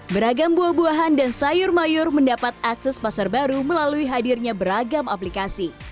beragam buah buahan dan sayur mayur mendapat akses pasar baru melalui hadirnya beragam aplikasi